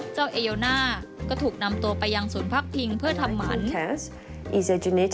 เจ้าเอโยน่าก็ถูกนำตัวไปยังส่วนพักพิงเพื่อทำมัน